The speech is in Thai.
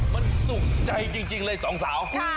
มันสุขใจจริงเลยสองสาว